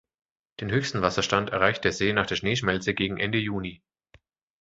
Den höchsten Wasserstand erreicht der See nach der Schneeschmelze gegen Ende Juni.